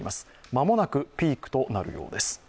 間もなくピークとなるようです。